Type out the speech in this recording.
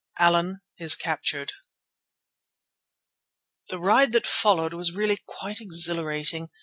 ALLAN IS CAPTURED The ride that followed was really quite exhilarating.